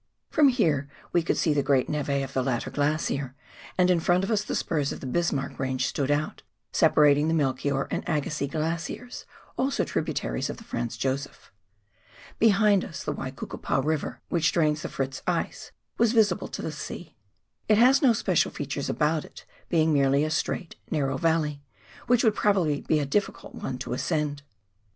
From here we could see the great neve of the latter glacier, and in front of us the spurs of the Bismarck range stood out, separating the Melchior and Agassiz Glaciers, also tributaries of the Franz Josef. Behind us the Waikukupa River, which drains the Fritz ice, was visible to the sea ; it has no special features about it, being merely a straight, narrow valley, which would probably be a difficult one to ascend.